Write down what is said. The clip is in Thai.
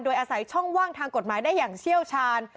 โดยอาศัยช่องว่างทางกฎหมายได้อย่างเชี่ยวชาญ